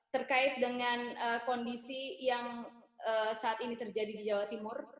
terkait dengan kondisi yang saat ini terjadi di jawa timur